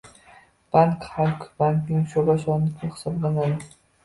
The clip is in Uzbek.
Bank Halyk bankning sho'ba banki hisoblanadi